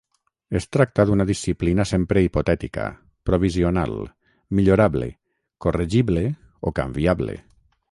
Es tracta d'una disciplina sempre hipotètica, provisional, millorable, corregible, o canviable.